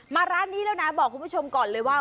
ร้านนี้แล้วนะบอกคุณผู้ชมก่อนเลยว่า